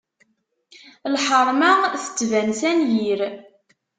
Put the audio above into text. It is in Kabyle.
Lḥeṛma tettban s anyir.